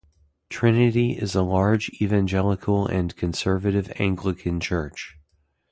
Trinity is a large evangelical and conservative Anglican church.